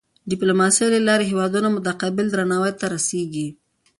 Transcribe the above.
د ډیپلوماسۍ له لارې هېوادونه متقابل درناوي ته رسيږي.